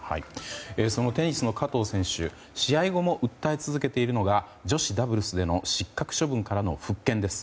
そのテニスの加藤選手試合後も訴え続けているのが女子ダブルスでの失格処分からの復権です。